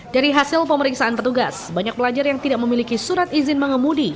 dari hasil pemeriksaan petugas banyak pelajar yang tidak memiliki surat izin mengemudi